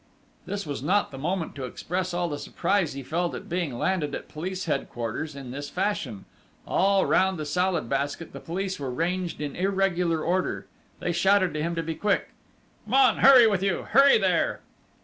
This was not the moment to express all the surprise he felt at being landed at Police Headquarters in this fashion.... All round the Salad Basket the police were ranged in irregular order. They shouted to him to be quick. "Come on with you! Hurry there!"